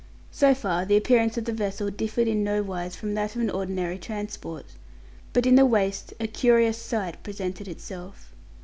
So far the appearance of the vessel differed in no wise from that of an ordinary transport. But in the waist a curious sight presented itself.